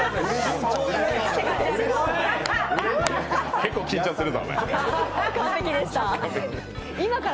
結構緊張するぞ。